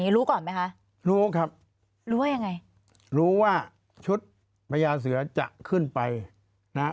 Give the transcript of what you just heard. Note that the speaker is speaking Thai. รู้ว่าชุดประยาเสือจะขึ้นไปนะฮะ